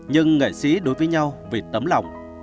nhưng nghệ sĩ đối với nhau vì tấm lòng